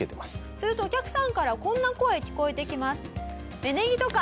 するとお客さんからこんな声聞こえてきます。